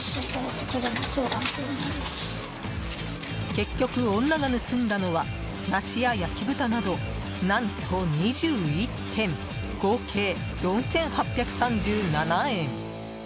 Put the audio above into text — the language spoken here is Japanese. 結局、女が盗んだのは梨や焼き豚など、何と２１点合計４８３７円。